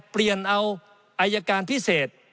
เปลี่ยนเอาอายการพิเศษ